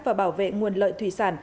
và bảo vệ nguồn lợi thủy sản